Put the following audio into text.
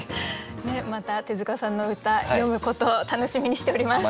また手塚さんの歌読むことを楽しみにしております。